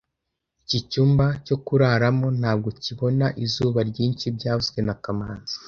Iki cyumba cyo kuraramo ntabwo kibona izuba ryinshi byavuzwe na kamanzi